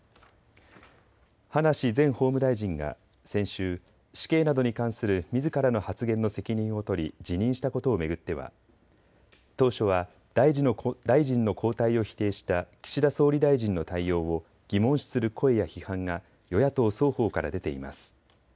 葉梨前法務大臣が先週、死刑などに関するみずからの発言の責任を取り辞任したことを巡っては当初は大臣の交代を否定した岸田総理大臣の対応を疑問視する声や批判が与野党双方から出ています。